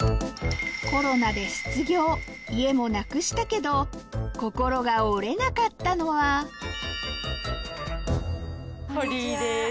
コロナで失業家もなくしたけど心が折れなかったのはホリーです。